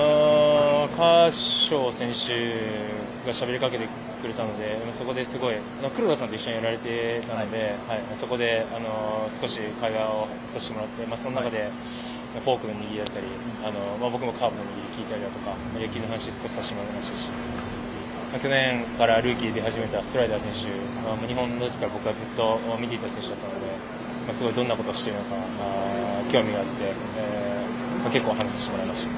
カーショウ選手がしゃべりかけてくれたのでそこですごい、黒田さんと一緒にやられていたのでそこで少し会話をさせてもらってその中でフォークの握りだったり僕もカーブを聞いたりとか野球の話を少しさせてもらいましたし去年からルーキーに出始めたストライダー選手日本の時から僕もずっと見ていた選手だったのでどんなことをしているのか興味があって結構話をさせてもらいました。